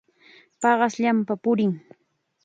Paqasllapam purin.